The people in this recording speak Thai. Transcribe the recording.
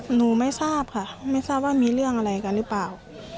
หนูไม่ทราบค่ะไม่ทราบว่ามีเรื่องอะไรกันหรือเปล่า